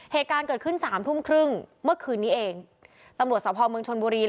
เหตุการณ์เกิดขึ้นสามทุ่มครึ่งเมื่อคืนนี้เองตำรวจสภเมืองชนบุรี